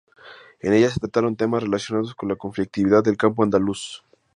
En ella se trataron temas relacionados con la conflictividad del campo andaluz.